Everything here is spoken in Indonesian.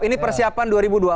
ini persiapan dua ribu dua puluh